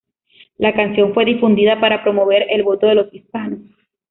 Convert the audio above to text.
La canción fue difundida para promover el voto de los hispanos.